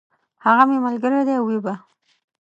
هغه مي ملګری دی او وي به !